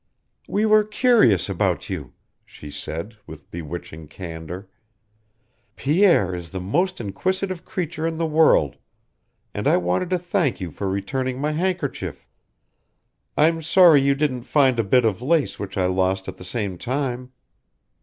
"We were curious about you," she said, with bewitching candor. "Pierre is the most inquisitive creature in the world, and I wanted to thank you for returning my handkerchief. I'm sorry you didn't find a bit of lace which I lost at the same time!"